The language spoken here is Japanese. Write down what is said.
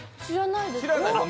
知らないです。